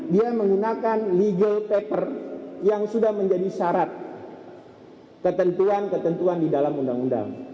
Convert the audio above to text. dia menggunakan legal paper yang sudah menjadi syarat ketentuan ketentuan di dalam undang undang